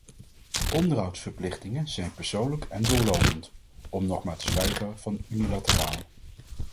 Onderhoudsverplichtingen zijn persoonlijk en doorlopend, om nog maar te zwijgen van unilateraal.